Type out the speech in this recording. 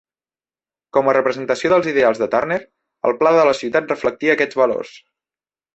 Com a representació dels ideals de Turner, el pla de la ciutat reflectia aquests valors.